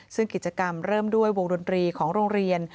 ซึ่งกิจกรรมเริ่มด้วยวงดนตรีของโรงเรียน